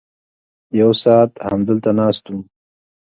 یو ساعت همدلته ناست وم.